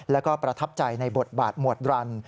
แล้วก็ประทับใจในบทบาทหมวดรัน